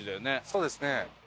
そうですね。